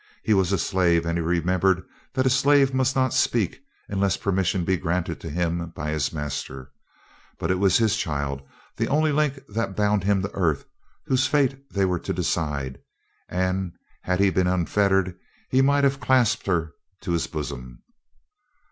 He was a slave and he remembered that a slave must not speak unless permission be granted him by his master; but it was his child, the only link that bound him to earth, whose fate they were to decide, and, had he been unfettered, he might have clasped her to his bosom.